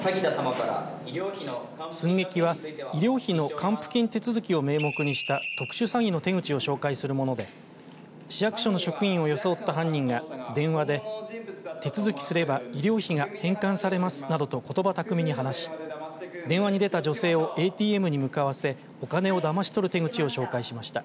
寸劇は医療費の還付金手続きを名目にした特殊詐欺の手口を紹介するもので市役所の職員を装った犯人が電話で手続きすれば医療費が返還されますなどとことば巧みに話し電話に出た女性をＡＴＭに向かわせお金をだまし取る手口を紹介しました。